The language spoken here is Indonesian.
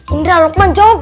indra lokman jawab